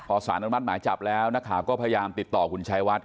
พอสารอนุมัติหมายจับแล้วนักข่าวก็พยายามติดต่อคุณชายวัด